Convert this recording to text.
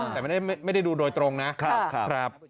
แต่ไม่ได้ดูโดยตรงนะ